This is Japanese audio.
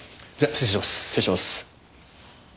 失礼します。